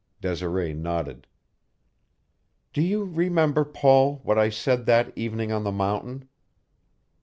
Desiree nodded. "Do you remember, Paul, what I said that evening on the mountain?"